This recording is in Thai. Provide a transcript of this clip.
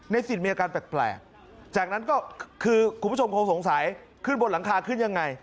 สิทธิ์มีอาการแปลกจากนั้นก็คือคุณผู้ชมคงสงสัยขึ้นบนหลังคาขึ้นยังไง